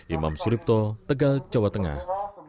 imam suripto tegal jawa tengah